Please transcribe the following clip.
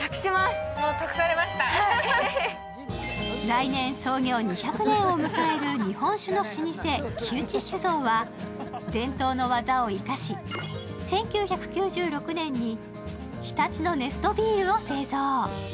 来年、創業２００年を迎える日本酒の老舗・木内酒造は伝統の技を生かし１９９６年に常盤野ネストビールを製造。